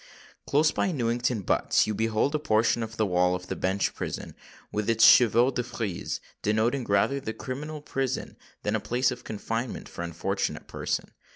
Close by Newington Butts you behold a portion of the wall of the Bench Prison, with its chevaux de frise, denoting rather the criminal prison than a place of confinement for unfortunate persons.